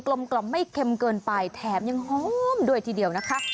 ลมกล่อมไม่เค็มเกินไปแถมยังหอมด้วยทีเดียวนะคะ